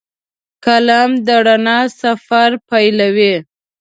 قلم د رڼا سفر پیلوي